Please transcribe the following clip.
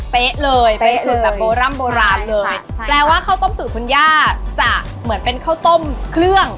เลยเป็นสูตรแบบโบร่ำโบราณเลยใช่แปลว่าข้าวต้มสูตรคุณย่าจะเหมือนเป็นข้าวต้มเครื่อง